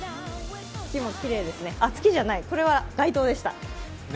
月もきれいあっ、月じゃない、これは街灯でした。